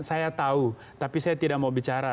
saya tahu tapi saya tidak mau bicara